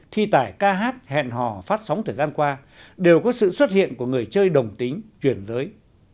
thi tài ca hát hẹn hò phát sóng thời gian qua đều có sự xuất hiện của người chơi đồng tính chuyển giới